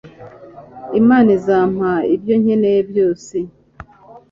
imana izampa ibyo nkeneye byose